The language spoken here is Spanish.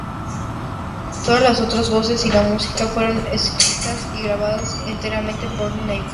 Todas las otras voces y la música fueron escritas y grabadas enteramente por Neige.